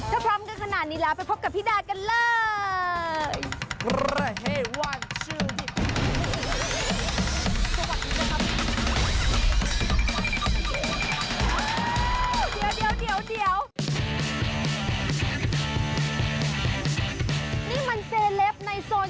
ถ้าพร้อมกันขนาดนี้แล้วไปพบกับพี่ดากันเลย